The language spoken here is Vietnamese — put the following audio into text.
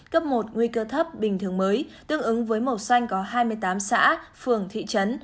cấp một nguy cơ thấp bình thường mới tương ứng với màu xanh có hai mươi tám xã phường thị trấn